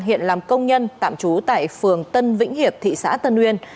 hiện làm công nhân tạm trú tại phường tân vĩnh hiệp thị xã tân uyên